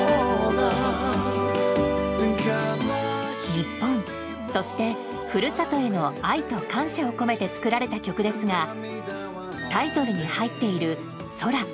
日本、そして故郷への愛と感謝を込めて作られた曲ですがタイトルに入っている「空」。